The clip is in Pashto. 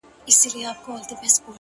زه د ساقي تر احترامه پوري پاته نه سوم ـ